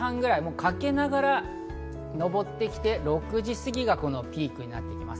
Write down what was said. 欠けながら上ってきて、６時すぎがピークになっています。